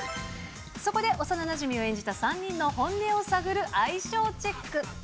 そこで、幼なじみを演じた３人の本音を探る相性チェック。